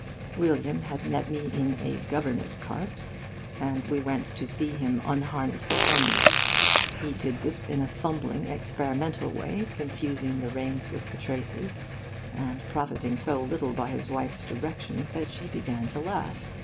William had met me in a 'governess cart,' and we went to see him unharness the pony. He did this in a fumbling, experimental way, confusing the reins with the traces, and profiting so little by his wife's directions that she began to laugh.